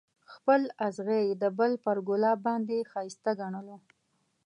خپل اغزی یې د بل پر ګلاب باندې ښایسته ګڼلو.